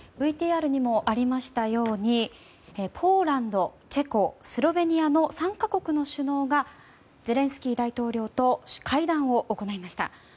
ＶＴＲにもありましたようにポーランド、チェコスロベニアの３か国の首脳がゼレンスキー大統領と会談を行いました。